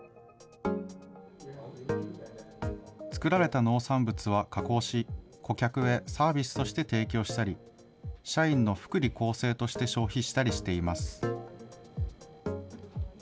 作られた農産物は加工し、顧客へサービスとして提供したり、社員の福利厚生として消費したりしています。